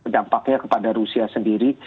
dampaknya kepada rusia sendiri